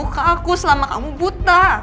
selama kamu kaku selama kamu buta